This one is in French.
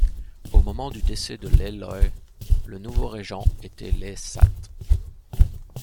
Au moment du décès de Lê Lợi, le nouveau régent était Lê Sát.